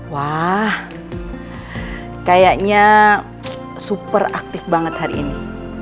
wah kayaknya super aktif banget hari ini